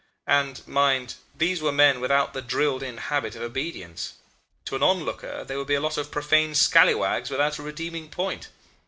And, mind, these were men without the drilled in habit of obedience. To an onlooker they would be a lot of profane scallywags without a redeeming point.